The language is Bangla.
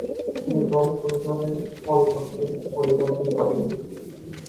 তিনি ধর্মে কোন পরিবর্তন পরিবর্ধন করেননি।